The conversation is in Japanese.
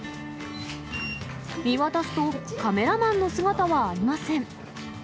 見渡すと、カメラマンの姿はありません。